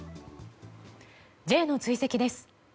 Ｊの追跡です。